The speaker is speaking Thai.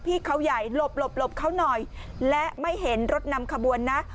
พี่เขาใหญ่หลบหลบหลบเขาหน่อยและไม่เห็นรถนำขบวนนะ